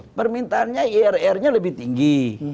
nah permintaannya irr nya lebih tinggi